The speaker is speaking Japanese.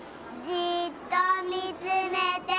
「じっとみつめて」。